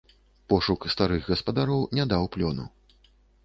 Пошук старых гаспадароў не даў плёну.